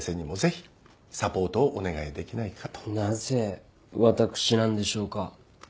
なぜ私なんでしょうか？